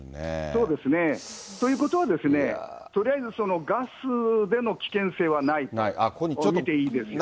そうですね。ということは、とりあえず、そのガスでの危険性はないと見ていいですよね。